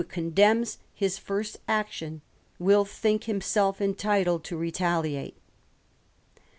condemns his first action will think himself entitled to retaliate.